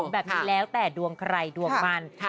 แบบนี้แล้วแต่ดวงใครดวงมัน